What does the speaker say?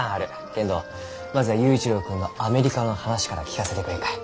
けんどまずは佑一郎君のアメリカの話から聞かせてくれんかえ？